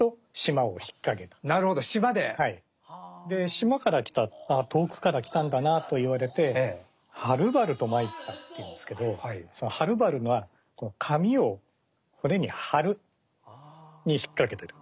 「島から来たああ遠くから来たんだな」と言われて「はるばると参った」って言うんですけどそのはるばるは紙を骨に張るに引っ掛けてるんですね。